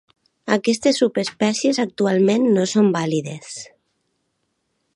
Aquestes subespècies actualment no són vàlides.